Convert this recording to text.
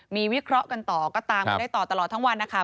มีวิเคราะห์กันต่อก็ตามกันได้ต่อตลอดทั้งวันนะคะ